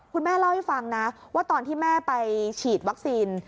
คุณแม่เล่าให้ฟังนะว่าตอนที่แม่ไปฉีดวัคซีน